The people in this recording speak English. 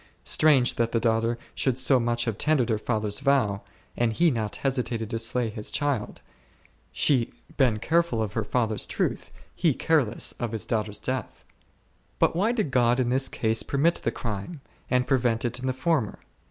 Strange, that the daughter should so much have tendered her father's vow, and he not hesitated to slay his child ; she been careful of her father's truth, he careless of his daughter's death ! But why did God in this case permit the crime, and prevent it in the former